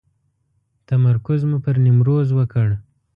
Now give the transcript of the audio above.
تمرکز مو پر نیمروز وکړ.